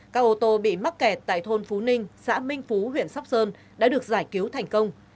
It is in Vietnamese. các ô tô bị mắc kẹt tại thôn phú ninh xã minh phú huyện sóc sơn đã được giải cứu thành công